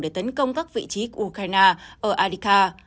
để tấn công các vị trí của ukraine ở adica